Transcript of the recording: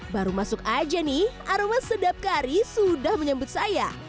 baru masuk aja nih aroma sedap kari sudah menyambut saya